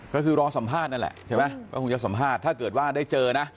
ก็คือรอสัมภาษณ์นั่นแหละใช่ไหมก็คงจะสัมภาษณ์ถ้าเกิดว่าได้เจอนะ